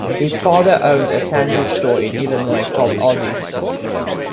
His father owned a sandwich store in Illinois called Ozzie's.